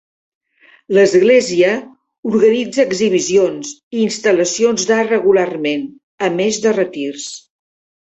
L'església organitza exhibicions i instal·lacions d'art regularment, a més de retirs.